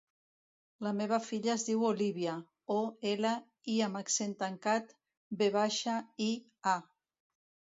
La meva filla es diu Olívia: o, ela, i amb accent tancat, ve baixa, i, a.